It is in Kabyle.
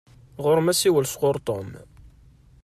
Ɣuṛ-m asiwel sɣuṛ Tom.